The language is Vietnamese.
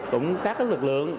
cũng các lực lượng